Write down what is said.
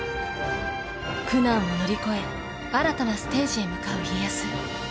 苦難を乗り越え新たなステージへ向かう家康。